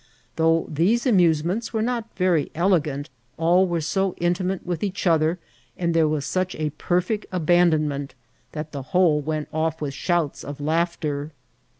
Though these amusements were not very elegant, all were so intimate with each other, and there was such a perfect abandonment, that the whole went off with shouts of laughter.